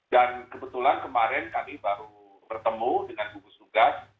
dan kebetulan kemarin kami baru bertemu dengan gugus tugas